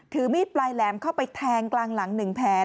ถือมีดปลายแหลมเข้าไปแทงกลางหลัง๑แผล